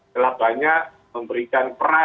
selah banyak memberikan peran